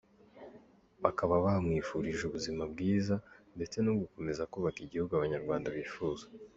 Bakaba bamwifurije ubuzima bwiza ndetse no gukomeza kubaka Igihugu Abanyarwanda bifuza.